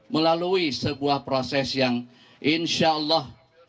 melalui sebuah proses yang insya allah